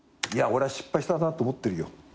俺は失敗したなと思ってるよ。